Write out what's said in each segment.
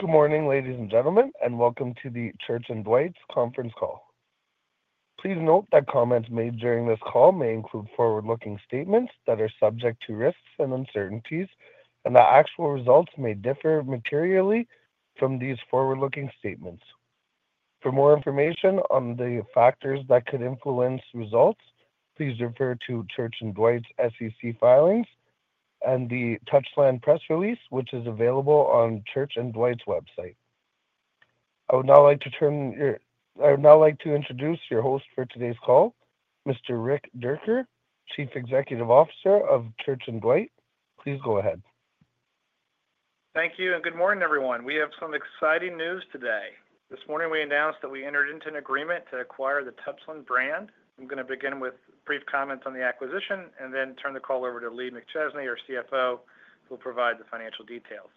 Good morning, ladies and gentlemen, and welcome to the Church & Dwight conference call. Please note that comments made during this call may include forward-looking statements that are subject to risks and uncertainties, and the actual results may differ materially from these forward-looking statements. For more information on the factors that could influence results, please refer to Church & Dwight's SEC filings and the Touchland press release, which is available on Church & Dwight's website. I would now like to introduce your host for today's call, Mr. Rick Dierker, Chief Executive Officer of Church & Dwight. Please go ahead. Thank you, and good morning, everyone. We have some exciting news today. This morning, we announced that we entered into an agreement to acquire the Touchland brand. I'm going to begin with brief comments on the acquisition and then turn the call over to Lee McChesney, our CFO, who will provide the financial details.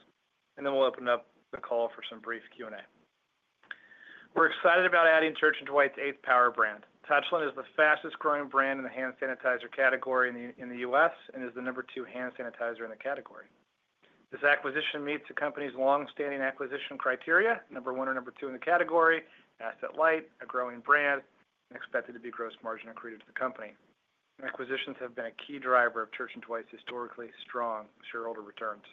We will open up the call for some brief Q&A. We're excited about adding Church & Dwight's eighth power brand. Touchland is the fastest-growing brand in the hand sanitizer category in the U.S. and is the number two hand sanitizer in the category. This acquisition meets the company's long-standing acquisition criteria: number one or number two in the category, asset light, a growing brand, and expected to be gross margin accrued to the company. Acquisitions have been a key driver of Church & Dwight's historically strong shareholder returns.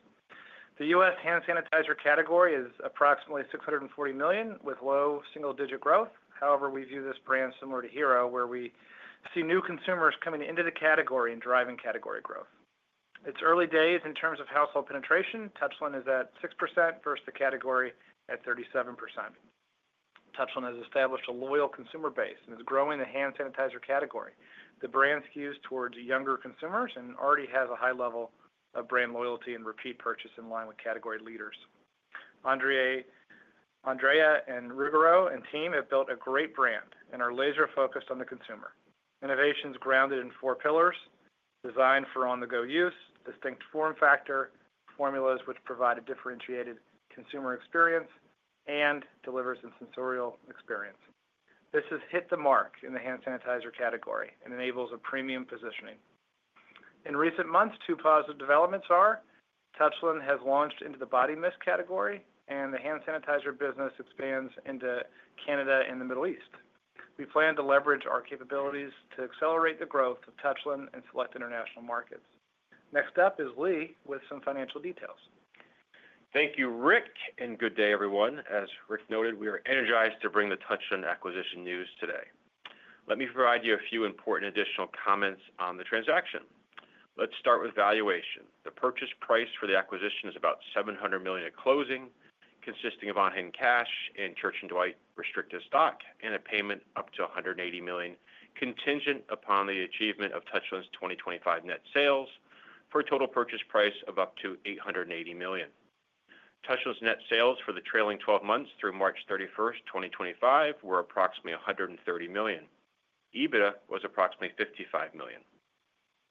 The U.S. Hand sanitizer category is approximately $640 million, with low single-digit growth. However, we view this brand similar to Hero, where we see new consumers coming into the category and driving category growth. It's early days in terms of household penetration. Touchland is at 6% versus the category at 37%. Touchland has established a loyal consumer base and is growing the hand sanitizer category. The brand skews towards younger consumers and already has a high level of brand loyalty and repeat purchase in line with category leaders. Andrea and Ruggero and team have built a great brand and are laser-focused on the consumer. Innovations grounded in four pillars: design for on-the-go use, distinct form factor, formulas which provide a differentiated consumer experience, and delivers a sensorial experience. This has hit the mark in the hand sanitizer category and enables a premium positioning. In recent months, two positive developments are: Touchland has launched into the body mist category, and the hand sanitizer business expands into Canada and the Middle East. We plan to leverage our capabilities to accelerate the growth of Touchland and select international markets. Next up is Lee with some financial details. Thank you, Rick, and good day, everyone. As Rick noted, we are energized to bring the Touchland acquisition news today. Let me provide you a few important additional comments on the transaction. Let's start with valuation. The purchase price for the acquisition is about $700 million at closing, consisting of on-hand cash and Church & Dwight restricted stock, and a payment up to $180 million, contingent upon the achievement of Touchland's 2025 net sales, for a total purchase price of up to $880 million. Touchland's net sales for the trailing 12-month through March 31, 2025, were approximately $130 million. EBITDA was approximately $55 million.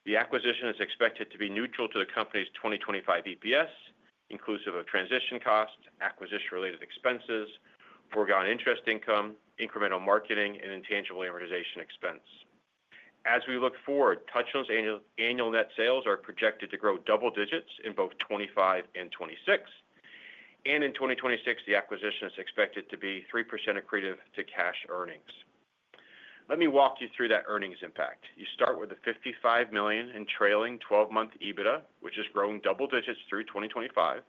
The acquisition is expected to be neutral to the company's 2025 EPS, inclusive of transition costs, acquisition-related expenses, foregone interest income, incremental marketing, and intangible amortization expense. As we look forward, Touchland's annual net sales are projected to grow double-digits in both 2025 and 2026. In 2026, the acquisition is expected to be 3% accretive to cash earnings. Let me walk you through that earnings impact. You start with the $55 million in trailing 12-month EBITDA, which is growing double-digits through 2025.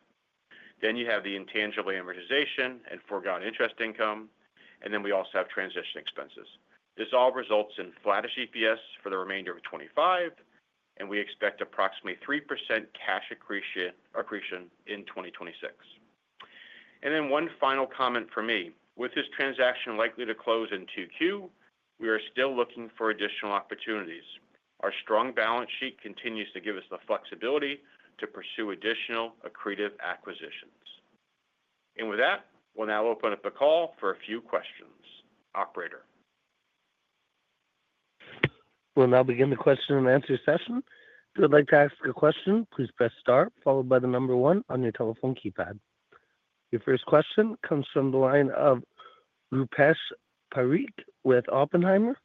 Then you have the intangible amortization and foregone interest income, and then we also have transition expenses. This all results in flat-ish EPS for the remainder of 2025, and we expect approximately 3% cash accretion in 2026. One final comment from me: with this transaction likely to close in Q2, we are still looking for additional opportunities. Our strong balance sheet continues to give us the flexibility to pursue additional accretive acquisitions. With that, we'll now open up the call for a few questions. Operator. We'll now begin the question and answer session. If you would like to ask a question, please press star, followed by the number one on your telephone keypad. Your first question comes from the line of Rupesh Parikh with Oppenheimer.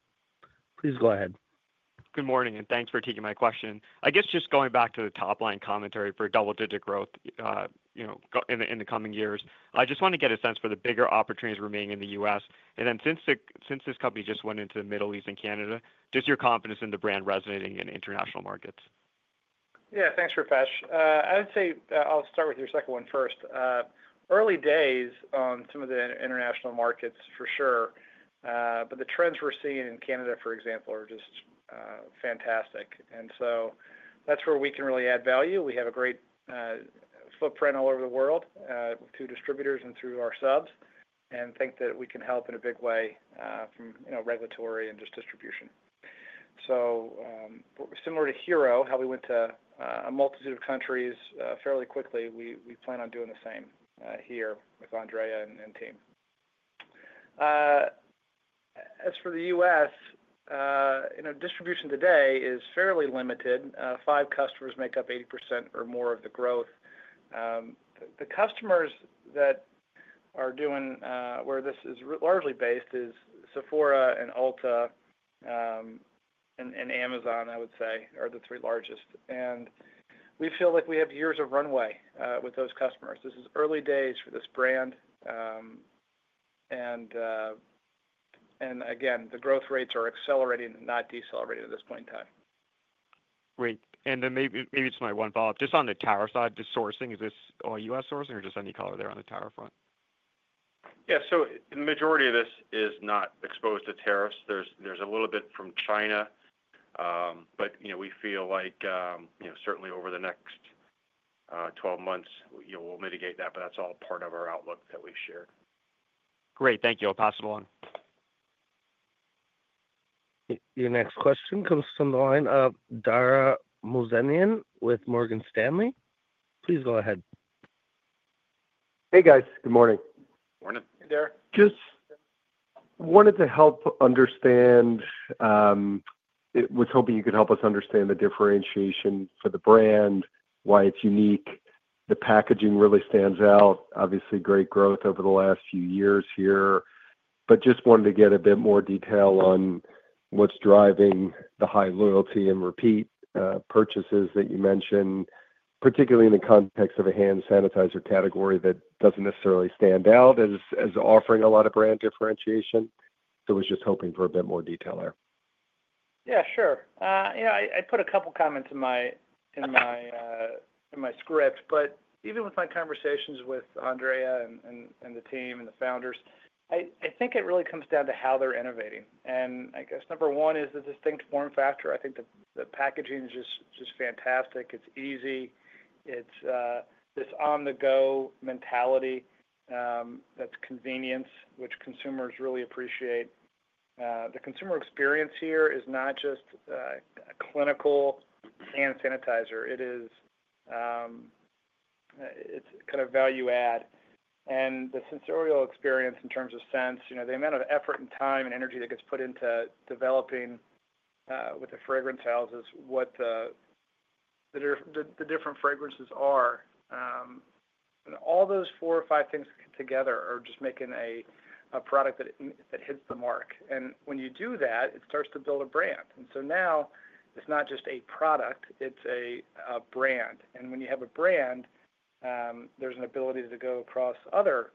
Please go ahead. Good morning, and thanks for taking my question. I guess just going back to the top-line commentary for double-digit growth in the coming years, I just want to get a sense for the bigger opportunities remaining in the U.S. And then since this company just went into the Middle East and Canada, does your confidence in the brand resonate in international markets? Yeah, thanks, Rupesh. I would say I'll start with your second one first. Early days on some of the international markets, for sure. The trends we're seeing in Canada, for example, are just fantastic. That is where we can really add value. We have a great footprint all over the world, through distributors and through our subs, and think that we can help in a big way from regulatory and just distribution. Similar to Hero, how we went to a multitude of countries fairly quickly, we plan on doing the same here with Andrea and team. As for the U.S., distribution today is fairly limited. Five customers make up 80% or more of the growth. The customers that are doing where this is largely based is Sephora, Ulta, and Amazon, I would say, are the three largest. We feel like we have years of runway with those customers. This is early days for this brand. Again, the growth rates are accelerating and not decelerating at this point in time. Great. Maybe just my one follow-up. Just on the tariff side, the sourcing, is this all U.S. sourcing or just any color there on the tariff front? Yeah, so the majority of this is not exposed to tariffs. There's a little bit from China. We feel like certainly over the next 12 months, we'll mitigate that, but that's all part of our outlook that we share. Great. Thank you. I'll pass it along. Your next question comes from the line of Dara Muzenian with Morgan Stanley. Please go ahead. Hey, guys. Good morning. Morning. Hey, there. Just wanted to help understand, was hoping you could help us understand the differentiation for the brand, why it's unique. The packaging really stands out. Obviously, great growth over the last few years here. Just wanted to get a bit more detail on what's driving the high loyalty and repeat purchases that you mentioned, particularly in the context of a hand sanitizer category that doesn't necessarily stand out as offering a lot of brand differentiation. I was just hoping for a bit more detail there. Yeah, sure. I put a couple of comments in my script. Even with my conversations with Andrea and the team and the founders, I think it really comes down to how they're innovating. I guess number one is the distinct form factor. I think the packaging is just fantastic. It's easy. It's this on-the-go mentality that's convenience, which consumers really appreciate. The consumer experience here is not just a clinical hand sanitizer. It's kind of value-add. The sensorial experience in terms of scents, the amount of effort and time and energy that gets put into developing with the fragrance houses what the different fragrances are. All those four or five things together are just making a product that hits the mark. When you do that, it starts to build a brand. Now it's not just a product, it's a brand. When you have a brand, there's an ability to go across other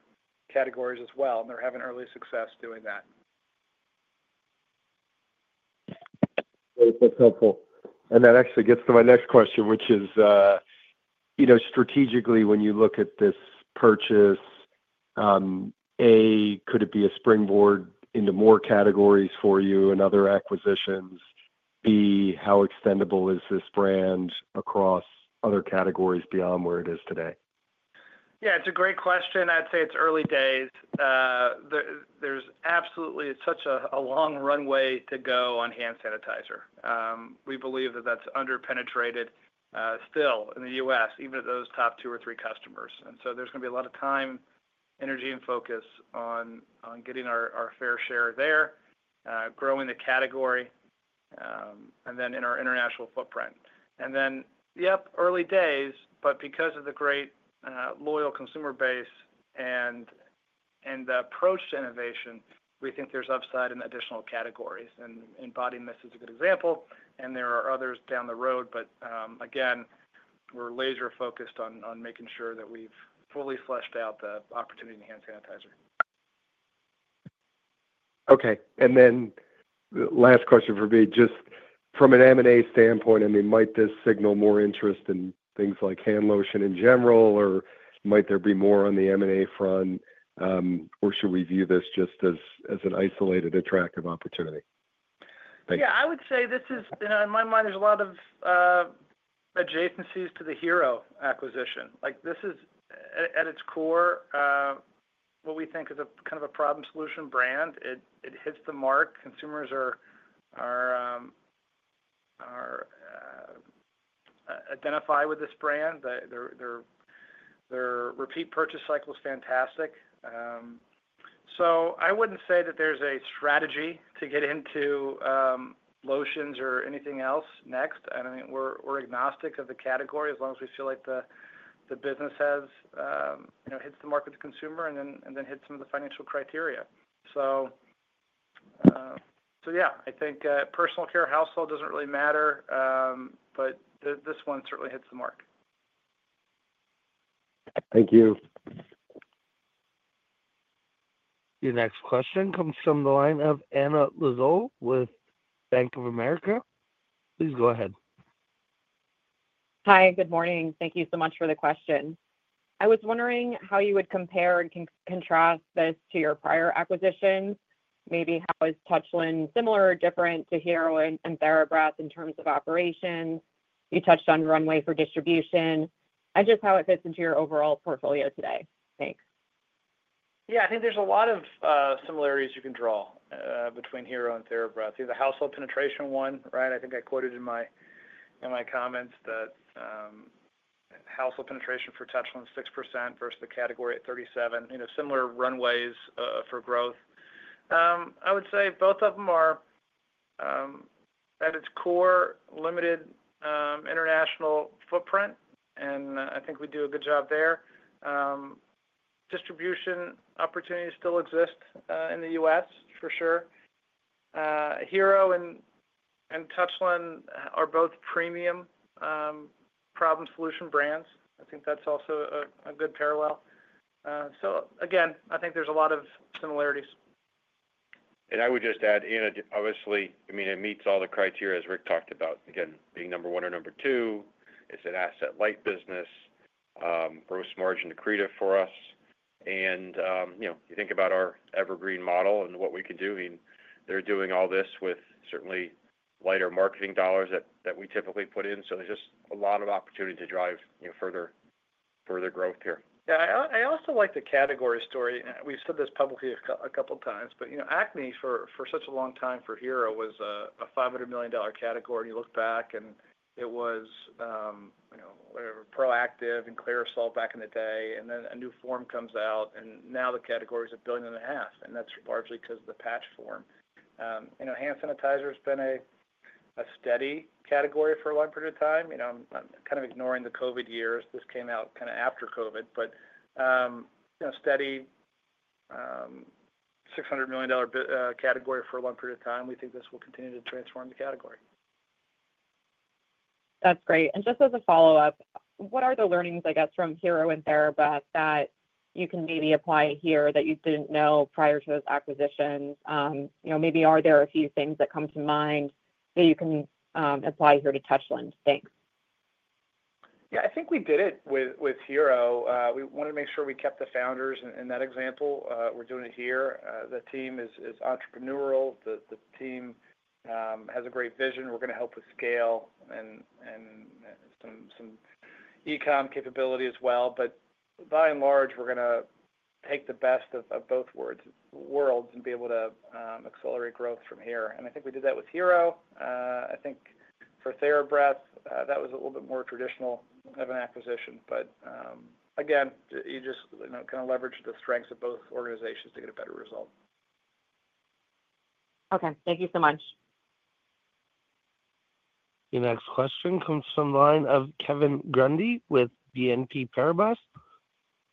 categories as well. They're having early success doing that. That's helpful. That actually gets to my next question, which is, strategically, when you look at this purchase, A, could it be a springboard into more categories for you and other acquisitions? B, how extendable is this brand across other categories beyond where it is today? Yeah, it's a great question. I'd say it's early days. There's absolutely such a long runway to go on hand sanitizer. We believe that that's underpenetrated still in the U.S., even at those top two or three customers. There is going to be a lot of time, energy, and focus on getting our fair share there, growing the category, and then in our international footprint. Yep, early days, but because of the great loyal consumer base and the approach to innovation, we think there's upside in additional categories. Body mist is a good example. There are others down the road. Again, we're laser-focused on making sure that we've fully fleshed out the opportunity in hand sanitizer. Okay. And then last question for me, just from an M&A standpoint, I mean, might this signal more interest in things like hand lotion in general, or might there be more on the M&A front, or should we view this just as an isolated attractive opportunity? Yeah, I would say this is, in my mind, there's a lot of adjacencies to the Hero acquisition. This is, at its core, what we think is a kind of a problem-solution brand. It hits the mark. Consumers identify with this brand. Their repeat purchase cycle is fantastic. I wouldn't say that there's a strategy to get into lotions or anything else next. I mean, we're agnostic of the category as long as we feel like the business hits the mark with the consumer and then hits some of the financial criteria. Yeah, I think personal care, household doesn't really matter, but this one certainly hits the mark. Thank you. Your next question comes from the line of Anna Lazo with Bank of America. Please go ahead. Hi, good morning. Thank you so much for the question. I was wondering how you would compare and contrast this to your prior acquisitions, maybe how is Touchland similar or different to Hero and TheraBreath in terms of operations. You touched on runway for distribution. And just how it fits into your overall portfolio today. Thanks. Yeah, I think there's a lot of similarities you can draw between Hero and TheraBreath. The household penetration one, right? I think I quoted in my comments that household penetration for Touchland is 6% versus the category at 37%. Similar runways for growth. I would say both of them are at its core limited international footprint, and I think we do a good job there. Distribution opportunities still exist in the U.S., for sure. Hero and Touchland are both premium problem-solution brands. I think that's also a good parallel. Again, I think there's a lot of similarities. I would just add, obviously, I mean, it meets all the criteria as Rick talked about. Again, being number one or number two, it is an asset-light business, gross margin accretive for us. You think about our evergreen model and what we can do. I mean, they are doing all this with certainly lighter marketing dollars than we typically put in. There is just a lot of opportunity to drive further growth here. Yeah, I also like the category story. We've said this publicly a couple of times, but acne, for such a long time for Hero, was a $500 million category. You look back and it was Proactiv and Clearasil back in the day. A new form comes out, and now the category is a billion and a half. That's largely because of the patch form. Hand sanitizer has been a steady category for a long period of time. I'm kind of ignoring the COVID years. This came out kind of after COVID. Steady $600 million category for a long period of time. We think this will continue to transform the category. That's great. Just as a follow-up, what are the learnings, I guess, from Hero and TheraBreath that you can maybe apply here that you didn't know prior to those acquisitions? Maybe are there a few things that come to mind that you can apply here to Touchland? Thanks. Yeah, I think we did it with Hero. We wanted to make sure we kept the founders in that example. We're doing it here. The team is entrepreneurial. The team has a great vision. We're going to help with scale and some e-com capability as well. By and large, we're going to take the best of both worlds and be able to accelerate growth from here. I think we did that with Hero. I think for TheraBreath, that was a little bit more traditional of an acquisition. Again, you just kind of leverage the strengths of both organizations to get a better result. Okay. Thank you so much. Your next question comes from the line of Kevin Grundy with BNP Paribas.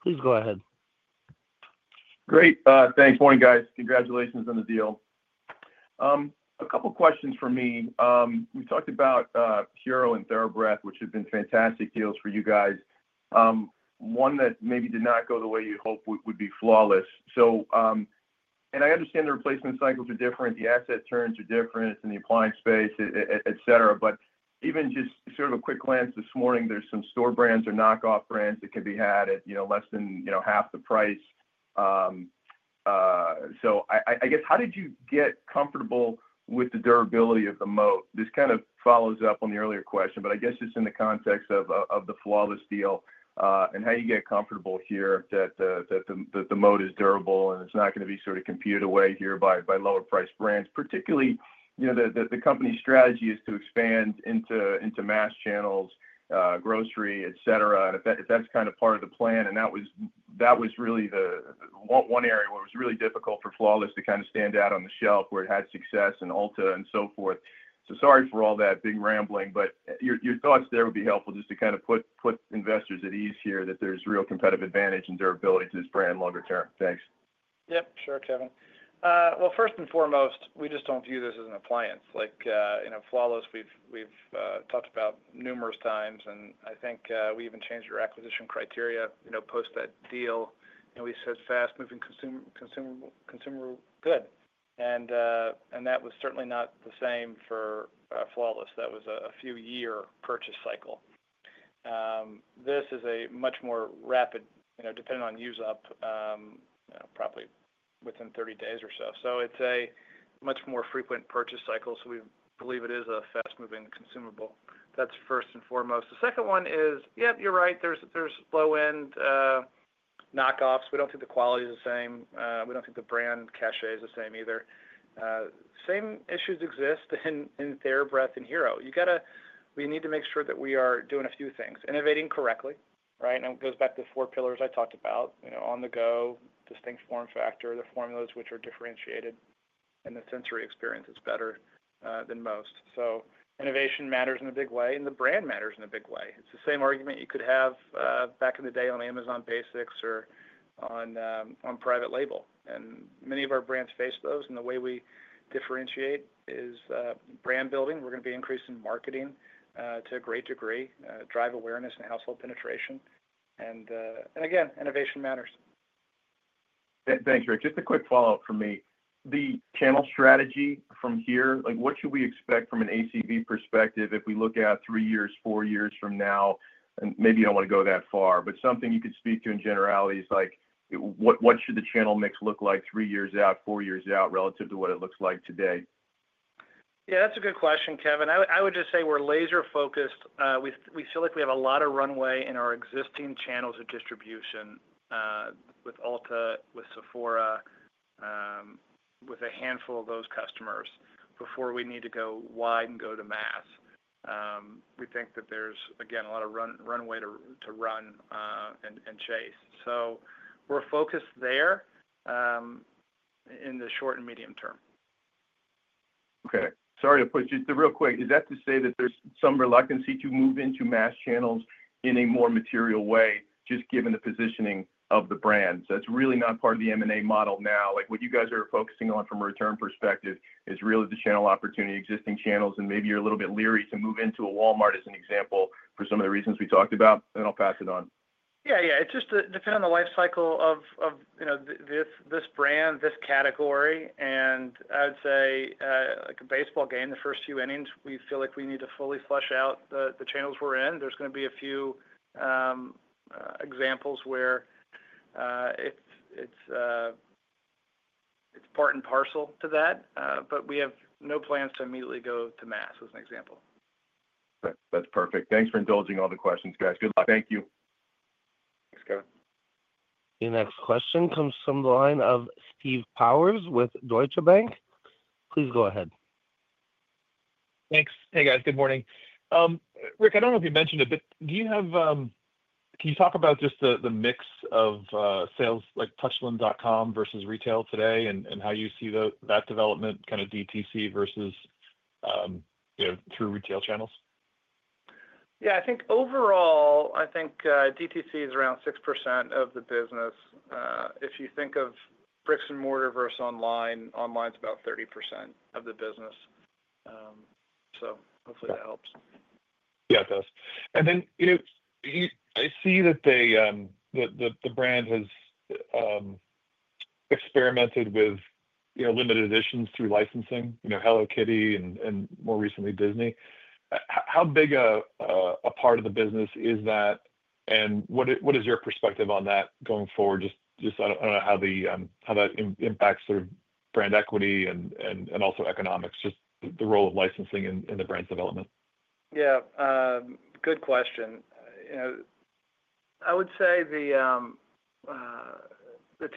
Please go ahead. Great. Thanks. Morning, guys. Congratulations on the deal. A couple of questions for me. We talked about Hero and TheraBreath, which have been fantastic deals for you guys. One that maybe did not go the way you'd hoped would be Flawless. I understand the replacement cycles are different. The asset turns are different in the appliance space, etc. Even just sort of a quick glance this morning, there are some store brands or knockoff brands that can be had at less than half the price. I guess, how did you get comfortable with the durability of the moat? This kind of follows up on the earlier question, but I guess just in the context of the Flawless deal and how you get comfortable here that the moat is durable and it's not going to be sort of competed away here by lower-priced brands, particularly the company's strategy is to expand into mass channels, grocery, etc. If that's kind of part of the plan, and that was really the one area where it was really difficult for Flawless to kind of stand out on the shelf where it had success in Ulta and so forth. Sorry for all that big rambling, but your thoughts there would be helpful just to kind of put investors at ease here that there's real competitive advantage and durability to this brand longer term. Thanks. Yep. Sure, Kevin. First and foremost, we just do not view this as an appliance. Flawless, we have talked about numerous times, and I think we even changed our acquisition criteria post that deal. We said fast-moving consumer good. That was certainly not the same for Flawless. That was a few-year purchase cycle. This is a much more rapid, depending on use-up, probably within 30 days or so. It is a much more frequent purchase cycle. We believe it is a fast-moving consumable. That is first and foremost. The second one is, yeah, you are right. There are low-end knockoffs. We do not think the quality is the same. We do not think the brand cachet is the same either. Same issues exist in TheraBreath and Hero. We need to make sure that we are doing a few things. Innovating correctly, right? It goes back to the four pillars I talked about: on the go, distinct form factor, the formulas which are differentiated, and the sensory experience is better than most. Innovation matters in a big way, and the brand matters in a big way. It's the same argument you could have back in the day on Amazon Basics or on private label. Many of our brands face those. The way we differentiate is brand building. We're going to be increasing marketing to a great degree, drive awareness and household penetration. Again, innovation matters. Thanks, Rick. Just a quick follow-up for me. The channel strategy from here, what should we expect from an ACV perspective if we look at three years, four years from now? Maybe you do not want to go that far, but something you could speak to in generalities like, what should the channel mix look like three years out, four years out relative to what it looks like today? Yeah, that's a good question, Kevin. I would just say we're laser-focused. We feel like we have a lot of runway in our existing channels of distribution with Ulta, with Sephora, with a handful of those customers before we need to go wide and go to mass. We think that there's, again, a lot of runway to run and chase. So we're focused there in the short and medium term. Okay. Sorry to put you through real quick. Is that to say that there's some reluctance to move into mass channels in a more material way, just given the positioning of the brand? It is really not part of the M&A model now. What you guys are focusing on from a return perspective is really the channel opportunity, existing channels, and maybe you're a little bit leery to move into a Walmart as an example for some of the reasons we talked about, and then I'll pass it on. Yeah, yeah. It just depends on the life cycle of this brand, this category. I would say like a baseball game, the first few innings, we feel like we need to fully flush out the channels we're in. There's going to be a few examples where it's part and parcel to that, but we have no plans to immediately go to mass as an example. That's perfect. Thanks for indulging all the questions, guys. Good luck. Thank you. Thanks, Kevin. Your next question comes from the line of Steve Powers with Deutsche Bank. Please go ahead. Thanks. Hey, guys. Good morning. Rick, I do not know if you mentioned it, but do you have—can you talk about just the mix of sales like Touchland.com versus retail today and how you see that development kind of DTC versus through retail channels? Yeah, I think overall, I think DTC is around 6% of the business. If you think of bricks and mortar versus online, online is about 30% of the business. Hopefully that helps. Yeah, it does. I see that the brand has experimented with limited editions through licensing, Hello Kitty, and more recently Disney. How big a part of the business is that? What is your perspective on that going forward? I do not know how that impacts sort of brand equity and also economics, just the role of licensing in the brand's development. Yeah. Good question. I would say the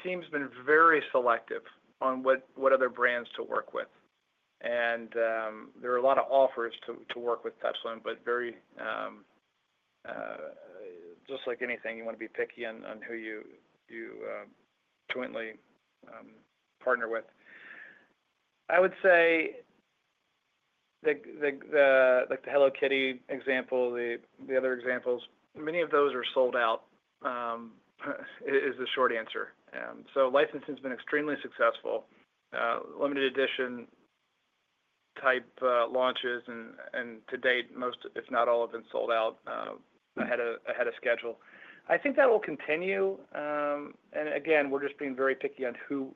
team's been very selective on what other brands to work with. There are a lot of offers to work with Touchland, but just like anything, you want to be picky on who you jointly partner with. I would say like the Hello Kitty example, the other examples, many of those are sold out is the short answer. Licensing has been extremely successful. Limited edition type launches and to date, most, if not all, have been sold out ahead of schedule. I think that will continue. Again, we're just being very picky on who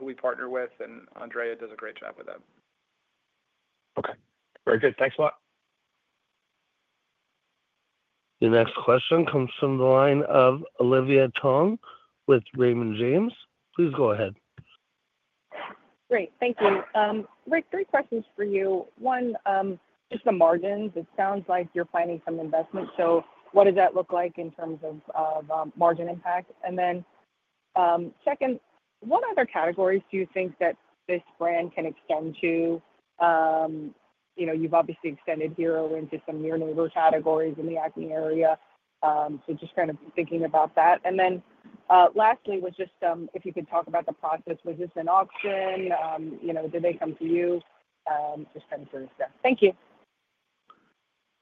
we partner with, and Andrea does a great job with that. Okay. Very good. Thanks a lot. Your next question comes from the line of Olivia Tong with Raymond James. Please go ahead. Great. Thank you. Rick, three questions for you. One, just the margins. It sounds like you're planning some investment. What does that look like in terms of margin impact? Second, what other categories do you think that this brand can extend to? You've obviously extended Hero into some near-neighbor categories in the acne area. Just kind of thinking about that. Lastly, if you could talk about the process. Was this an auction? Did they come to you? Just kind of sort of stuff. Thank you.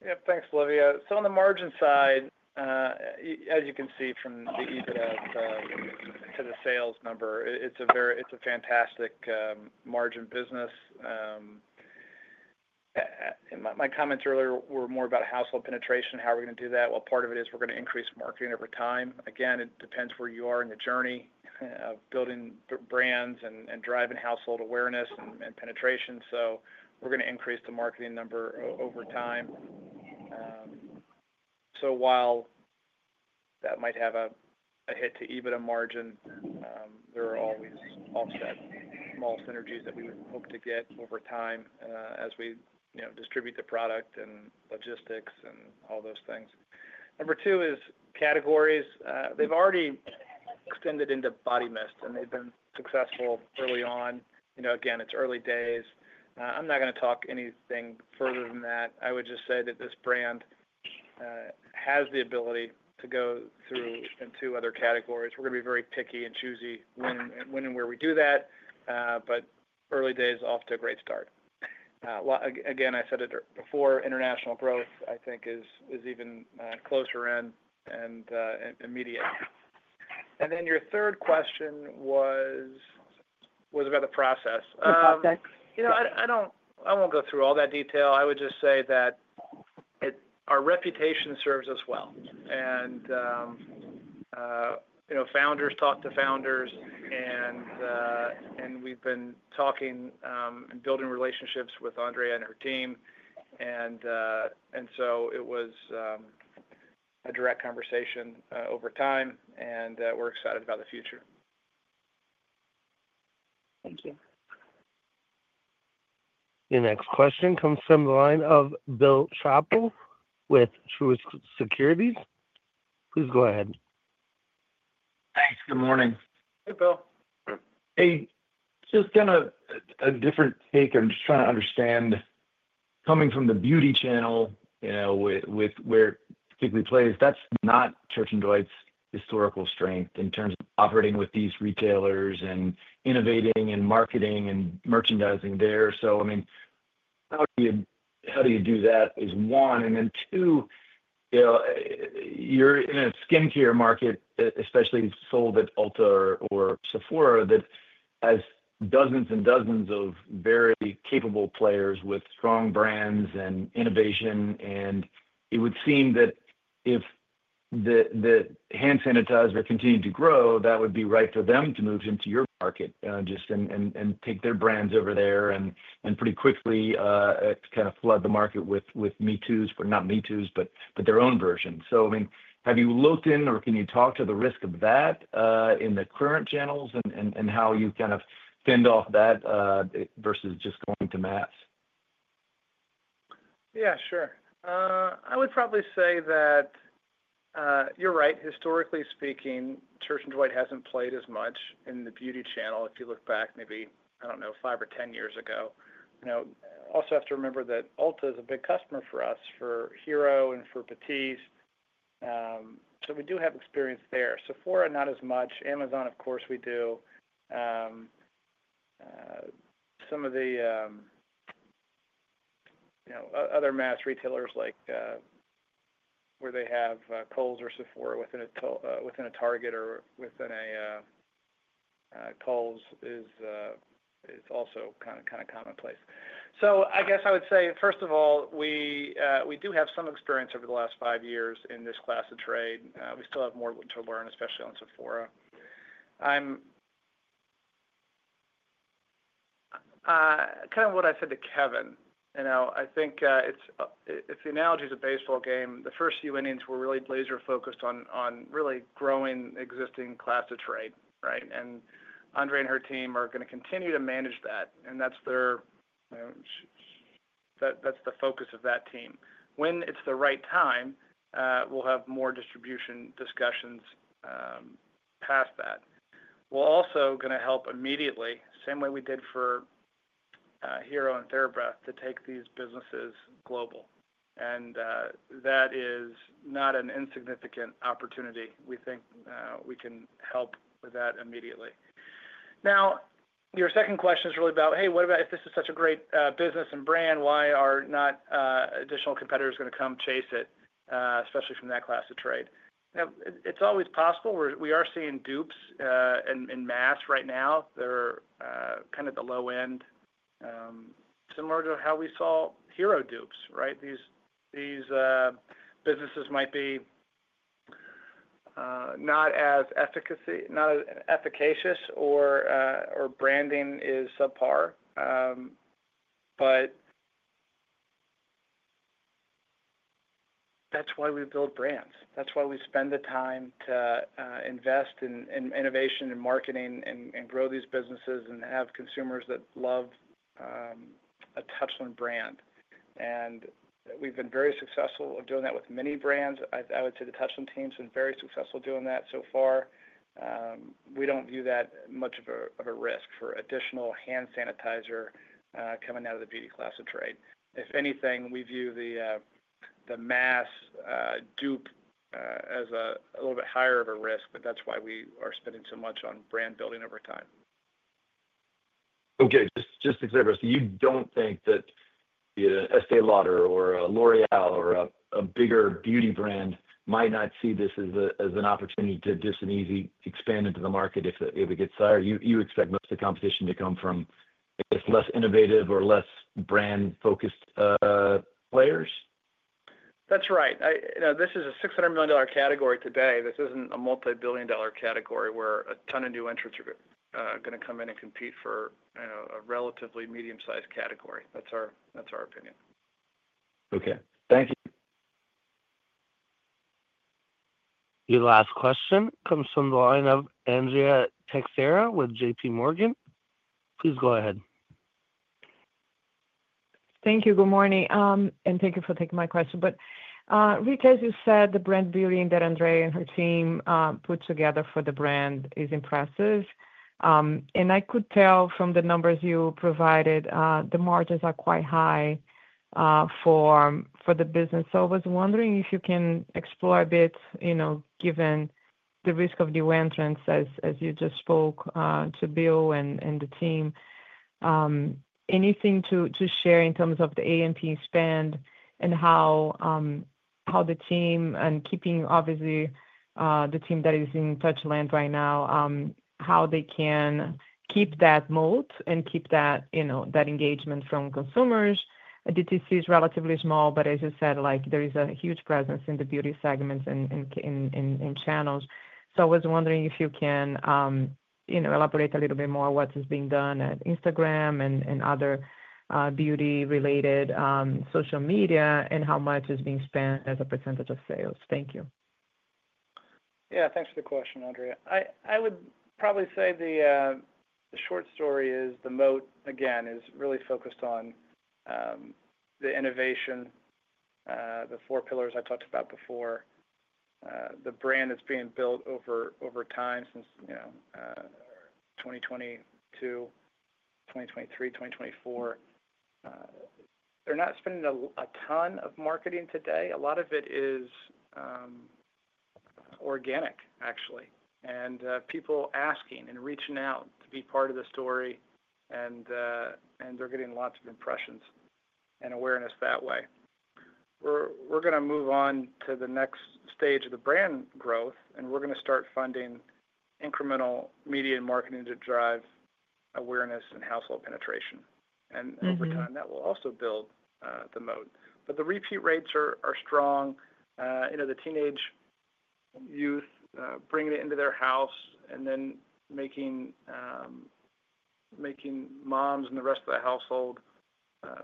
Yeah. Thanks, Olivia. On the margin side, as you can see from the EBITDA to the sales number, it's a fantastic margin business. My comments earlier were more about household penetration, how we're going to do that. Part of it is we're going to increase marketing over time. Again, it depends where you are in the journey of building brands and driving household awareness and penetration. We're going to increase the marketing number over time. While that might have a hit to EBITDA margin, there are always offset small synergies that we would hope to get over time as we distribute the product and logistics and all those things. Number two is categories. They've already extended into body mist, and they've been successful early on. Again, it's early days. I'm not going to talk anything further than that. I would just say that this brand has the ability to go through into other categories. We're going to be very picky and choosy when and where we do that, but early days off to a great start. Again, I said it before, international growth, I think, is even closer in and immediate. Then your third question was about the process. The process. I won't go through all that detail. I would just say that our reputation serves us well. Founders talk to founders, and we've been talking and building relationships with Andrea and her team. It was a direct conversation over time, and we're excited about the future. Thank you. Your next question comes from the line of Bill Chappell with Truist Securities. Please go ahead. Thanks. Good morning. Hey, Bill. Hey. Just kind of a different take. I'm just trying to understand coming from the beauty channel with where it typically plays, that's not Church & Dwight's historical strength in terms of operating with these retailers and innovating and marketing and merchandising there. I mean, how do you do that is one. Then two, you're in a skincare market, especially sold at Ulta or Sephora, that has dozens and dozens of very capable players with strong brands and innovation. It would seem that if the hand sanitizer continued to grow, that would be right for them to move into your market just and take their brands over there and pretty quickly kind of flood the market with Me Toos for, not Me Toos, but their own version. I mean, have you looked in or can you talk to the risk of that in the current channels and how you kind of fend off that versus just going to mass? Yeah, sure. I would probably say that you're right. Historically speaking, Church & Dwight hasn't played as much in the beauty channel if you look back maybe, I don't know, 5 or 10 years ago. Also have to remember that Ulta is a big customer for us for Hero and for BATISTE. We do have experience there. Sephora, not as much. Amazon, of course, we do. Some of the other mass retailers like where they have Kohl's or Sephora within a Target or within a Kohl's is also kind of commonplace. I guess I would say, first of all, we do have some experience over the last five years in this class of trade. We still have more to learn, especially on Sephora. Kind of what I said to Kevin, I think if the analogy is a baseball game, the first few innings were really laser-focused on really growing existing class of trade, right? Andrea and her team are going to continue to manage that. That is the focus of that team. When it is the right time, we will have more distribution discussions past that. We are also going to help immediately, same way we did for Hero and TheraBreath, to take these businesses global. That is not an insignificant opportunity. We think we can help with that immediately. Now, your second question is really about, "Hey, what about if this is such a great business and brand, why are not additional competitors going to come chase it, especially from that class of trade?" It is always possible. We are seeing dupes in mass right now. They're kind of the low end, similar to how we saw Hero dupes, right? These businesses might be not as efficacious or branding is subpar, but that's why we build brands. That's why we spend the time to invest in innovation and marketing and grow these businesses and have consumers that love a Touchland brand. And we've been very successful at doing that with many brands. I would say the Touchland team's been very successful doing that so far. We don't view that much of a risk for additional hand sanitizer coming out of the beauty class of trade. If anything, we view the mass dupe as a little bit higher of a risk, but that's why we are spending so much on brand building over time. Okay. Just to clarify, so you don't think that Estée Lauder or L'Oréal or a bigger beauty brand might not see this as an opportunity to just easily expand into the market if it gets higher? You expect most of the competition to come from, I guess, less innovative or less brand-focused players? That's right. This is a $600 million category today. This isn't a multi-billion dollar category where a ton of new entrants are going to come in and compete for a relatively medium-sized category. That's our opinion. Okay. Thank you. Your last question comes from the line of Andrea Teixeira with JPMorgan. Please go ahead. Thank you. Good morning. Thank you for taking my question. Rick, as you said, the brand building that Andrea and her team put together for the brand is impressive. I could tell from the numbers you provided, the margins are quite high for the business. I was wondering if you can explore a bit, given the risk of new entrants, as you just spoke to Bill and the team, anything to share in terms of the A&P spend and how the team and, obviously, the team that is in Touchland right now, how they can keep that moat and keep that engagement from consumers. DTC is relatively small, but as you said, there is a huge presence in the beauty segments and channels. I was wondering if you can elaborate a little bit more on what is being done at Instagram and other beauty-related social media and how much is being spent as a percentage of sales. Thank you. Yeah. Thanks for the question, Andrea. I would probably say the short story is the moat, again, is really focused on the innovation, the four pillars I talked about before. The brand that's being built over time since 2022, 2023, 2024, they're not spending a ton of marketing today. A lot of it is organic, actually. And people asking and reaching out to be part of the story, and they're getting lots of impressions and awareness that way. We're going to move on to the next stage of the brand growth, and we're going to start funding incremental media and marketing to drive awareness and household penetration. Over time, that will also build the moat. The repeat rates are strong. The teenage youth bringing it into their house and then making moms and the rest of the household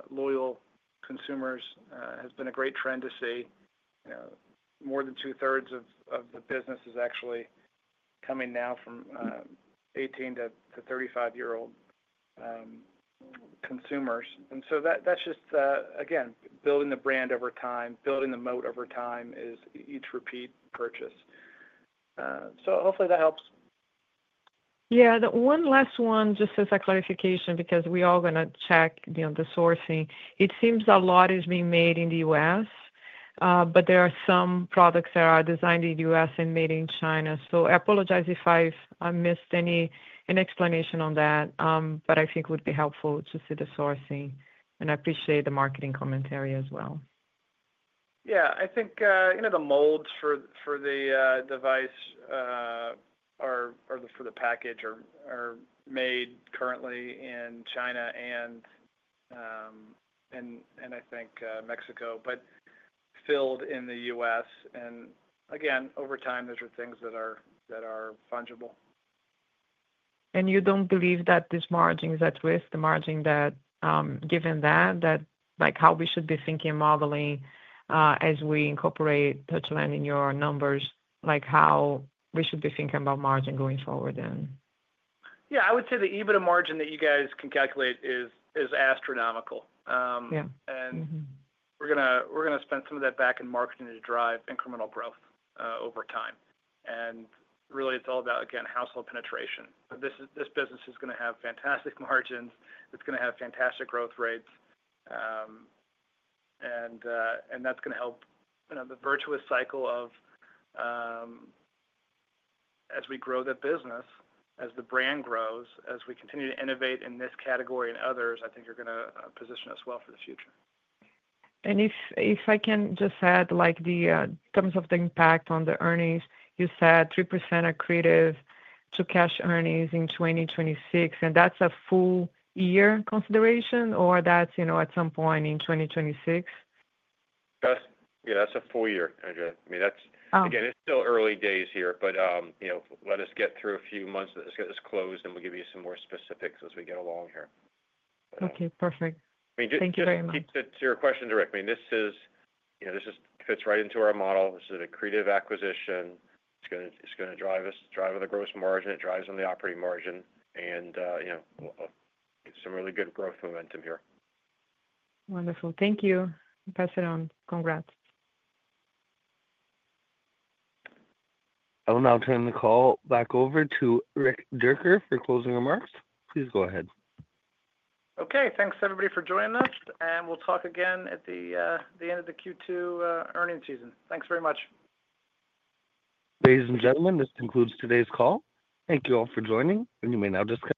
loyal consumers has been a great trend to see. More than two-thirds of the business is actually coming now from 18-35-year-old consumers. That is just, again, building the brand over time, building the moat over time is each repeat purchase. Hopefully that helps. Yeah. One last one, just as a clarification, because we are going to check the sourcing. It seems a lot is being made in the U.S., but there are some products that are designed in the U.S. and made in China. I apologize if I missed any explanation on that, but I think it would be helpful to see the sourcing. I appreciate the marketing commentary as well. Yeah. I think the molds for the device or for the package are made currently in China and I think Mexico, but filled in the U.S. Again, over time, those are things that are fungible. You do not believe that this margin is at risk, the margin that given that, that how we should be thinking and modeling as we incorporate Touchland in your numbers, how we should be thinking about margin going forward then? Yeah. I would say the EBITDA margin that you guys can calculate is astronomical. We're going to spend some of that back in marketing to drive incremental growth over time. Really, it's all about, again, household penetration. This business is going to have fantastic margins. It's going to have fantastic growth rates. That's going to help the virtuous cycle of as we grow the business, as the brand grows, as we continue to innovate in this category and others, I think you're going to position us well for the future. If I can just add, in terms of the impact on the earnings, you said 3% accretive to cash earnings in 2026. Is that a full-year consideration or is that at some point in 2026? Yeah. That's a full year, Andrea. I mean, again, it's still early days here, but let us get through a few months that this gets closed, and we'll give you some more specifics as we get along here. Okay. Perfect. Thank you very much. I mean, just to get to your question, Rick, I mean, this fits right into our model. This is an accretive acquisition. It's going to drive us, drive the gross margin. It drives on the operating margin and some really good growth momentum here. Wonderful. Thank you. Pass it on. Congrats. I will now turn the call back over to Rick Dierker for closing remarks. Please go ahead. Okay. Thanks, everybody, for joining us. We will talk again at the end of the Q2 earnings season. Thanks very much. Ladies and gentlemen, this concludes today's call. Thank you all for joining. You may now disconnect.